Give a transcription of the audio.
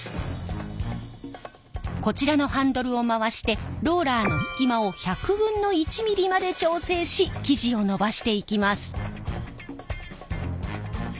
こちらのハンドルを回してローラーの隙間を１００分の１ｍｍまで調整し生地を延ばしていきます。